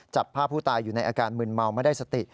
จับภาพผู้ตายอยู่ในอาการมืนเมาไม่ได้สติ